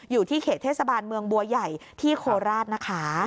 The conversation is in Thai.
อยู่ที่เขตเทศบาลเมืองบัวใหญ่ที่โคราชนะคะ